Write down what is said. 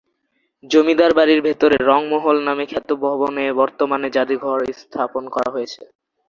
জমিদার বাড়ির ভেতরে রং মহল নামে খ্যাত ভবনে বর্তমানে জাদুঘর স্থাপন করা হয়েছে।